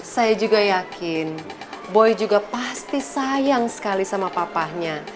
saya juga yakin boy juga pasti sayang sekali sama papanya